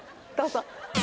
どうぞ。